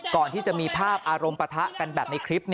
ก่อนที่จะมีภาพอารมณ์ปะทะกันแบบในคลิป